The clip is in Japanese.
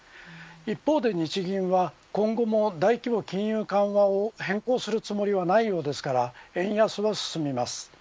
一方で、日銀は今後も大規模金融緩和を変更するつもりはないようですから円安は進みます。